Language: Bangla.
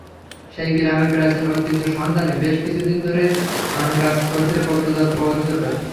সেই গ্রামে প্রাচীন ঐতিহ্যের সন্ধানে বেশ কিছুদিন ধরে খননকাজ করেছে প্রত্নতত্ত্ব অধিদপ্তর।